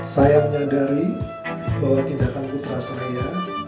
saya menyadari bahwa tindakan putra saya